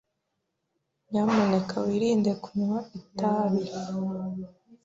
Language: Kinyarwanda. Nyamuneka wirinde kunywa itabi.